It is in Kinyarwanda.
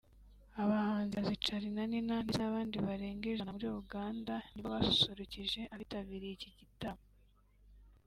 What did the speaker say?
abahanzikazi Charly&Nina ndetse n’abandi barenga ijana bo muri Uganda nibo basusurikije abitabiriye iki gitaramo